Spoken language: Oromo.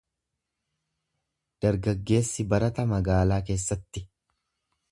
Dargaggeessi barata magaalaa keessatti.